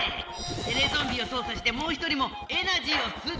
テレゾンビをそうさしてもう一人もエナジーをすっちまいな！